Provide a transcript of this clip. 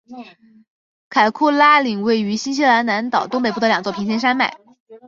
凯库拉岭位于新西兰南岛东北部的两座平行山脉。